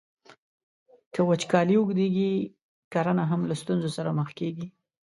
که وچکالۍ اوږدیږي، کرنه هم له ستونزو سره مخ کیږي.